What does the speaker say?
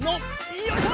よいしょ！